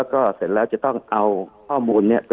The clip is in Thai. คุณหมอประเมินสถานการณ์บรรยากาศนอกสภาหน่อยได้ไหมคะ